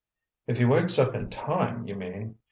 "If he wakes up in time, you mean.